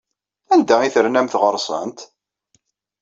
Anda ay ternamt ɣer-sent?